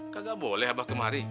kagak boleh abah kemari